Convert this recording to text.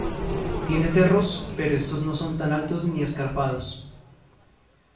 Tiene cerros pero estos no son tan altos ni escarpados.